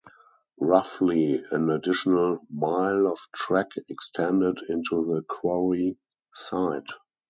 Roughly an additional mile of track extended into the quarry site.